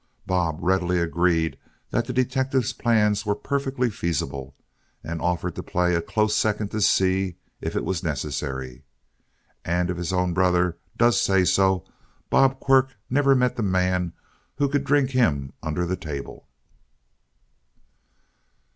Bob readily agreed that the detective's plans were perfectly feasible, and offered to play a close second to Seay if it was necessary. And if his own brother does say so, Bob Quirk never met the man who could drink him under the table.